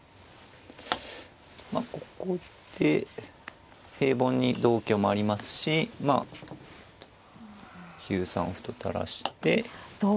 まあここで平凡に同香もありますしまあ９三歩と垂らして。